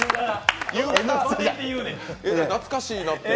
懐かしいなって。